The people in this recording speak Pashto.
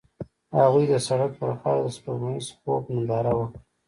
هغوی د سړک پر غاړه د سپوږمیز خوب ننداره وکړه.